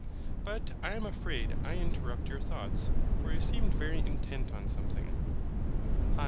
But I am afraid I interrupt your thoughts: for you seemed very intent on something. HYL.